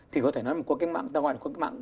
thì có thể nói là một cuộc cách mạng